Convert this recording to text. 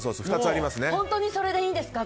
本当にそれでいいんですか？